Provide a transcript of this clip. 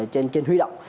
trên huy động